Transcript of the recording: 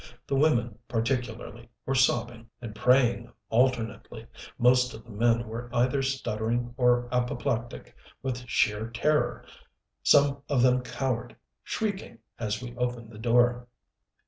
The women, particularly, were sobbing and praying alternately; most of the men were either stuttering or apoplectic with sheer terror. Some of them cowered, shrieking, as we opened the door.